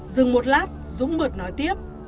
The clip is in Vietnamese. dừng một lát dũng mượt nói tiếp